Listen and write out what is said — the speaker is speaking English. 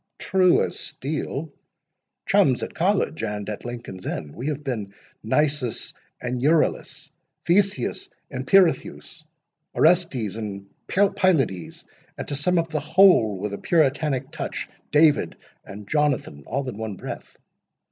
"True as steel.—Chums at College and at Lincoln's Inn—we have been Nisus and Euryalus, Theseus and Pirithous, Orestes and Pylades; and, to sum up the whole with a puritanic touch, David and Jonathan, all in one breath.